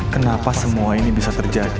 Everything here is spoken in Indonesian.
kenapa semua ini bisa terjadi